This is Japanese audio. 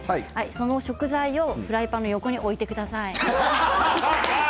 その食材をフライパンの横に置いてください。